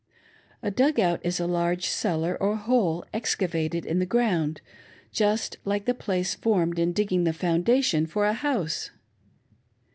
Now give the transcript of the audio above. A " dug out " is a large cellar, or hole, excavated in the ground, just like the place formed in digging the foundation for a house.